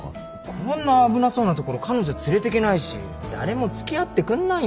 こんな危なそうなところ彼女連れてけないし誰も付き合ってくんないんだもん。